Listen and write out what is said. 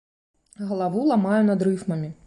Галаву ламаю над рыфмамі.